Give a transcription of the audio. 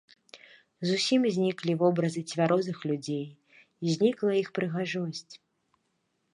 Зусім зніклі вобразы цвярозых людзей, знікла іх прыгажосць.